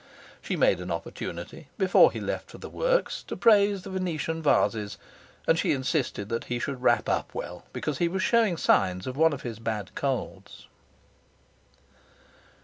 She made an opportunity, before he left for the works, to praise the Venetian vases, and she insisted that he should wrap up well, because he was showing signs of one of his bad colds.